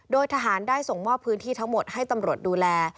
โดยทหารได้ส่งมอบพื้นที่ทั้งหมดให้ตำรวจดูแล